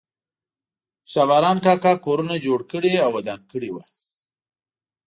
شا باران کاکا کورونه جوړ کړي او ودان کړي وو.